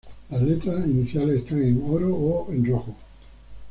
Las letras iniciales están en oro o en rojo.